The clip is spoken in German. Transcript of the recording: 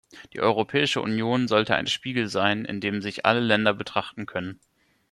Die Europäische Union sollte ein Spiegel sein, in dem sich alle Länder betrachten können.